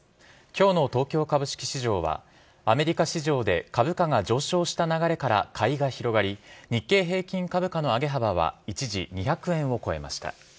今日の東京株式市場はアメリカ市場で株価が上昇した流れから買いが広がり日経平均株価の上げ幅は一時２００円を超えました。